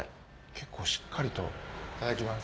結構しっかりといただきます。